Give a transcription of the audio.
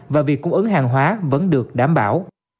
và việc cung ứng hàng hóa vẫn được đảm bảo